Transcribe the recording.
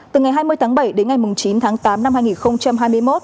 từ ngày hai mươi tháng bảy đến ngày chín tháng tám năm hai nghìn hai mươi một